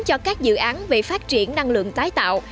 cho các dự án về phát triển năng lượng tái tạo